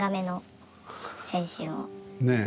ねえ。